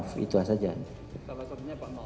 salah satunya pak no